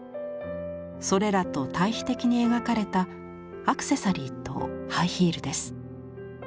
それらと対比的に描かれたアクセサリーとハイヒールです。